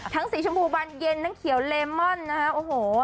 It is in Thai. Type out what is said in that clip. ทั้งสีชมพูบานเย็นนั้นเขียวเลม่อนนะฮะ